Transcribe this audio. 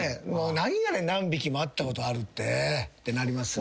何やねん何匹も会ったことあるってってなりますよね。